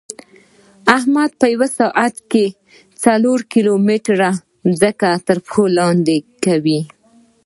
احمد په یوه ساعت کې څلور کیلو متېره ځمکه ترپښو لاندې کوي.